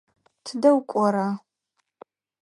Тыдэ укӏора?